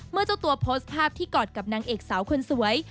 เจ้าตัวโพสต์ภาพที่กอดกับนางเอกสาวคนสวย